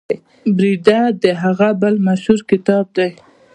بریده د هغه بل مشهور کتاب دی.